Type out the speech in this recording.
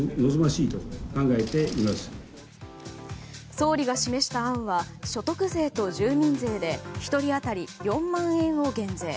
総理が示した案は所得税と住民税で１人当たり４万円を減税。